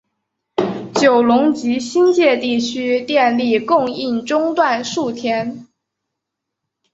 九龙及新界地区电力供应中断数天。